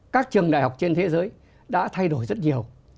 các trường đại học trên thế giới đã thay đổi rất nhiều